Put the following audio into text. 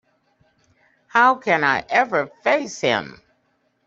How can I ever face him?